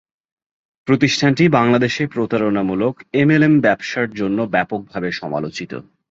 প্রতিষ্ঠানটি বাংলাদেশে প্রতারণামূলক এমএলএম ব্যবসার জন্য ব্যপকভাবে সমালোচিত।